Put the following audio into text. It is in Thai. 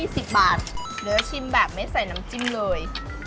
สิบบาทเหลือชิมแบบไม่ใส่น้ำจิ้มเลย